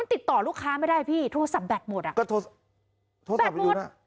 มันติดต่อลูกค้าไม่ได้พี่โทรศัพท์แบตหมดอ่ะก็โทรศัพท์ไปดูนะแบตหมด